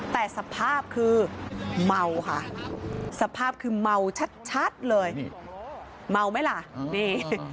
แต่สภาพคือเมาค่ะสภาพคือเมาชัดเลยนี่เมาไหมล่ะนี่